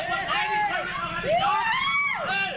การทดมาดี